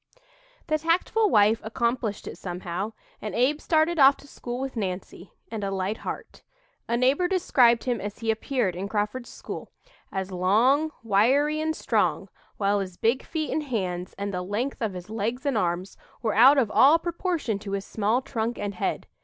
The tactful wife accomplished it somehow and Abe started off to school with Nancy, and a light heart. A neighbor described him as he appeared in Crawford's school, as "long, wiry and strong, while his big feet and hands, and the length of his legs and arms, were out of all proportion to his small trunk and head.